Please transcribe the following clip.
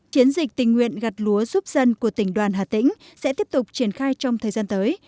chiến dịch tình nguyện gặt lúa giúp dân của tỉnh đoàn hà tĩnh sẽ tiếp tục triển khai trong thời gian tới